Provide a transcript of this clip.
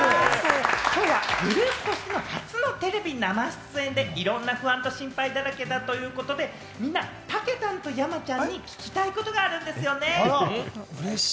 初のテレビ生出演でいろんな不安と心配だらけだということで、みんなたけたんと山ちゃんに聞きたいことがあるんですよね？